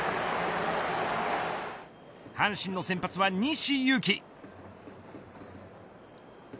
阪神の先発は西勇輝。